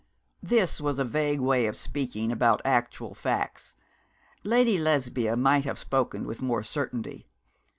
This was a vague way of speaking about actual facts. Lady Lesbia might have spoken with more certainty.